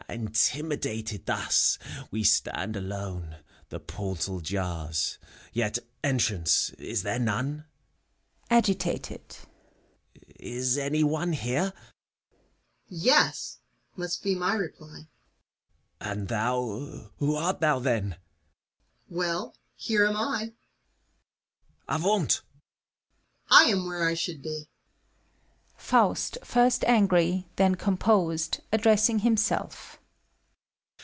Intimidated thus, we stand alone. — The portal jars, yet entrance is there none. (Agitated.) Is any one here? CARE. Yes ! must be my reply. FAUST. And thou, who art thou, then? CARE. Well, — ^here am I. FAUST. A. vaunt ! CARE. I am where I should be. FAUST (iirst angry y then composed y addressing himself).